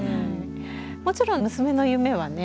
もちろん娘の夢はね